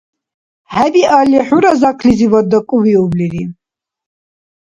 ХӀебиалли хӀура заклизивад дакӀувиублири.